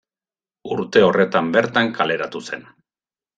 Urte horretan bertan kaleratu zen.